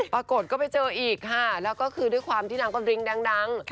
ปรากฏก็ไปเจออีกค่ะแล้วก็คือด้วยความที่นางก็ดริ้งดัง